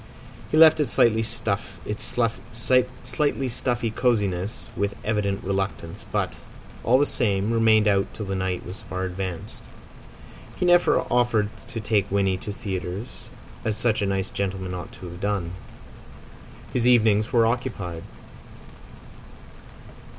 He left its slightly stuffy cosiness with evident reluctance, but, all the same, remained out till the night was far advanced. He never offered to take Winnie to theatres, as such a nice gentleman ought to have done. His evenings were occupied.